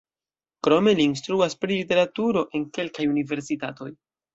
Krome li instruas pri literaturo en kelkaj universitatoj.